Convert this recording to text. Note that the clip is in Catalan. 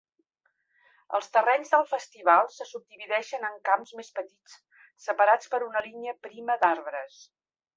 Els terrenys del festival se subdivideixen en camps més petits separats per una línia prima d'arbres.